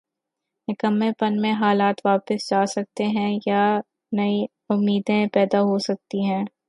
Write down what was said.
نکمّے پن میں حالات واپس جا سکتے ہیں یا نئی امیدیں پیدا ہو سکتی ہیں۔